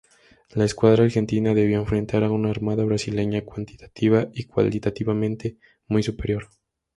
La escuadra argentina debió enfrentar a una armada brasileña cuantitativa y cualitativamente muy superior.